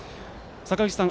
坂口さん